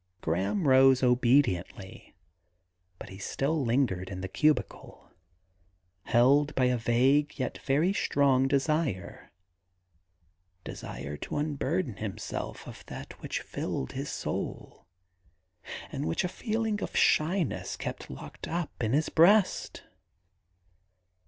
Graham rose obediently, but he still lingered in the cubicle, held by a vague yet very strong desire — desire to unburden himself of that which filled his soul, and which a feeling of shyness kept locked up in his breast.